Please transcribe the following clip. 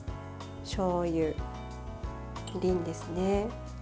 しょうゆ、みりんですね。